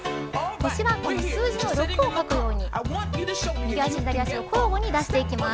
腰は数字の６を描くように右足、左足を交互に出していきます。